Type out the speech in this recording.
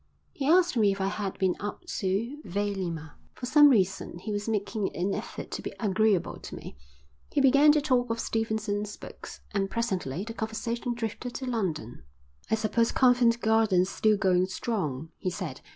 He asked me if I had been up to Vailima. For some reason he was making an effort to be agreeable to me. He began to talk of Stevenson's books, and presently the conversation drifted to London. "I suppose Covent Garden's still going strong," he said.